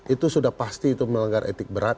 itu sudah pasti itu melanggar etik berat